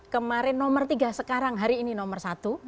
kemarin nomor tiga sekarang hari ini nomor satu